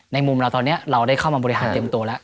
ในมุมเราตอนนี้เรามันได้เข้ามาบริษัทเตรียมโตแล้ว